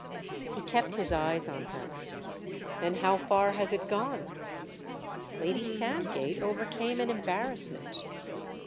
He kept his eyes on her. "Then how far has it gone?" Lady Sandgate overcame an embarrassment.